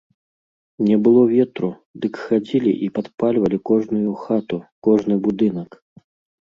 Не было ветру, дык хадзілі і падпальвалі кожную хату, кожны будынак.